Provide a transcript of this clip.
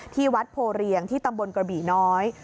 ที่วัดโพเรียงที่ตำบลกระบี่น้อย